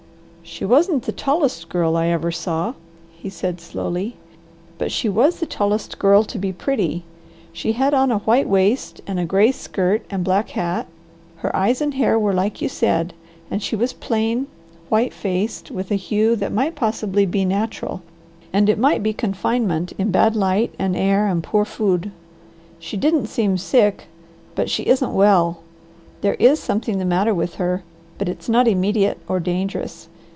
"She wasn't the tallest girl I ever saw," he said slowly, "but she was the tallest girl to be pretty. She had on a white waist and a gray skirt and black hat. Her eyes and hair were like you said, and she was plain, white faced, with a hue that might possibly be natural, and it might be confinement in bad light and air and poor food. She didn't seem sick, but she isn't well. There is something the matter with her, but it's not immediate or dangerous.